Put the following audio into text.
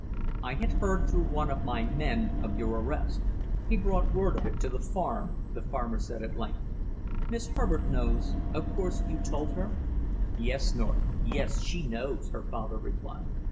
"I heard through one of my men of your arrest. He brought word of it to the farm," the farmer said at length. "Miss Herbert knows of course you told her " "Yes, North; yes, she knows!" her father replied.